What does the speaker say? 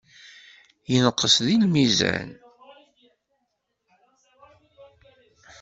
Yenqes deg lmizan.